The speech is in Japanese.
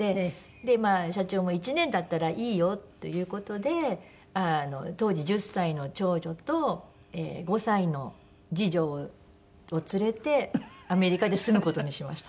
でまあ社長も１年だったらいいよという事で当時１０歳の長女と５歳の次女を連れてアメリカで住む事にしました。